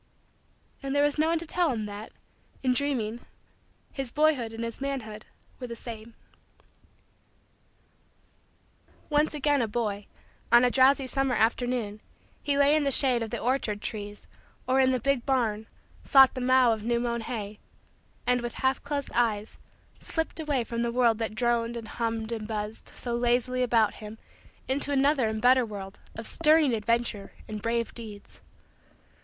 And there was no one to tell him that, in dreaming, his boyhood and his manhood were the same. Once again a boy, on a drowsy summer afternoon, he lay in the shade of the orchard trees or, in the big barn, sought the mow of new mown hay, and, with half closed eyes, slipped away from the world that droned and hummed and buzzed so lazily about him into another and better world of stirring adventure and brave deeds.